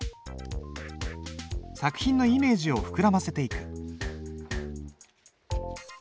作品のイメージを膨らませていく。